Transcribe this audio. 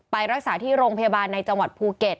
ไปรักษาที่โรงพยาบาลในจังหวัดภูเก็ต